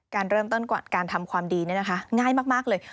การเริ่มต้นการทำความดีนี่นะคะง่ายมากเลย